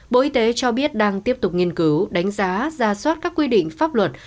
bộ y tế cho biết đang tiếp tục nghiên cứu đánh giá ra soát các quy định pháp luật